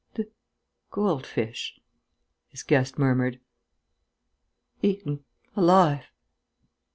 "The gold fish," his guest murmured. "Eaten alive